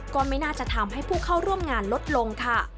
ก็ไม่น่าจะทำให้ผู้เข้าร่วมงานลดลงค่ะ